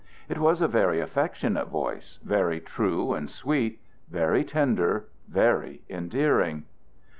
It was a very affectionate voice, very true and sweet, very tender, very endearing.